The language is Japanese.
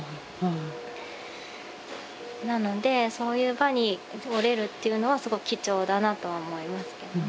なのでそういう場におれるっていうのはすごく貴重だなとは思いますけどね。